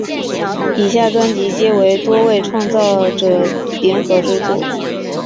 以下专辑皆为多位创作者联合之作品。